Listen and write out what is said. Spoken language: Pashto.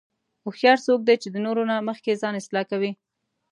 هوښیار څوک دی چې د نورو نه مخکې ځان اصلاح کوي.